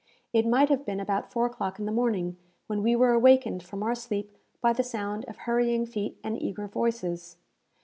It might have been about four o'clock in the morning, when we were awakened from our sleep by the sound of hurrying feet and eager voices.